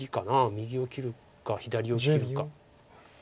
右を切るか左を切るか。